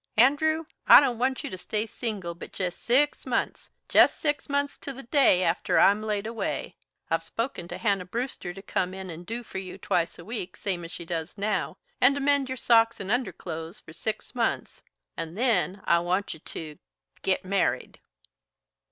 Andrew, I don't want you to stay single but jest six months jest six months to the very day after I'm laid away. I've spoken to Hannah Brewster to come in and do for you twice a week, same as she does now, and to mend your socks and underclothes for six months, and then I want you to git married."